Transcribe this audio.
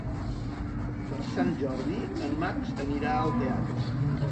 Per Sant Jordi en Max anirà al teatre.